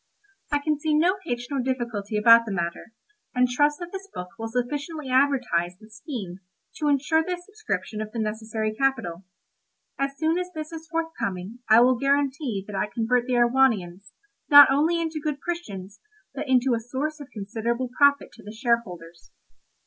I can see no hitch nor difficulty about the matter, and trust that this book will sufficiently advertise the scheme to insure the subscription of the necessary capital; as soon as this is forthcoming I will guarantee that I convert the Erewhonians not only into good Christians but into a source of considerable profit to the shareholders.